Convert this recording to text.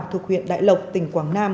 thuộc huyện đại lộc tỉnh quảng nam